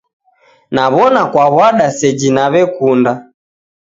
Naw'ona kwaw'ada seji naw'ekunda.